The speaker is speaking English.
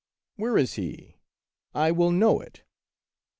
" Where is he ? I will know it